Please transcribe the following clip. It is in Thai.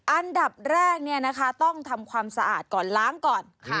อันดับแรกต้องทำความสะอาดก่อนล้างก่อน